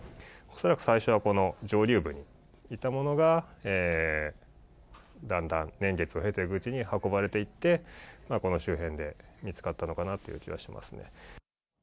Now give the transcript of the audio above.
恐らく最初は、この上流部にいたものが、だんだん年月を経ていくうちに運ばれていって、この周辺で見つかったのかなという気がします。